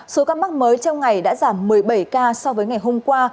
số ca mắc mới trong ngày đã giảm một mươi bảy ca so với ngày hôm qua